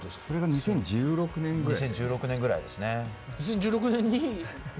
２０１６年ぐらいですね。